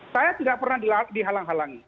saya tidak pernah dihalang halangi